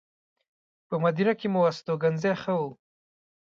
په مدینه کې مو استوګنځی ښه و.